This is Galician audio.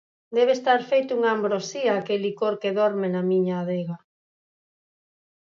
Debe estar feito unha ambrosía aquel licor que dorme na miña adega.